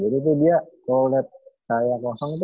jadi tuh dia kalau liat saya kosong tuh